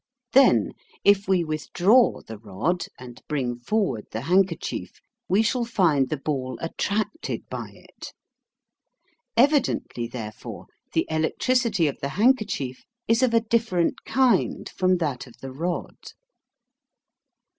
Then, if we withdraw the rod and bring forward the handkerchief, we shall find the ball ATTRACTED by it. Evidently, therefore, the electricity of the handkerchief is of a different kind from that of the rod.